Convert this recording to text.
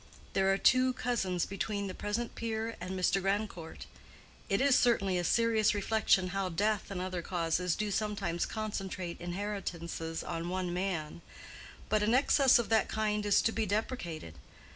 There are two cousins between the present peer and Mr. Grandcourt. It is certainly a serious reflection how death and other causes do sometimes concentrate inheritances on one man. But an excess of that kind is to be deprecated.